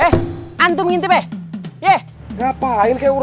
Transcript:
jangan harap antum